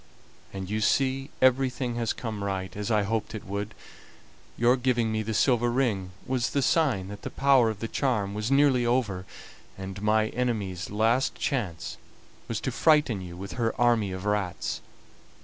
And you see everything has come right, as I hoped it would. Your giving me the silver ring was the sign that the power of the charm was nearly over, and my enemy's last chance was to frighten you with her army of rats.